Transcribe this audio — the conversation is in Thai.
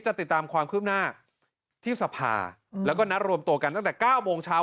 ติดตามความคืบหน้าที่สภาแล้วก็นัดรวมตัวกันตั้งแต่๙โมงเช้า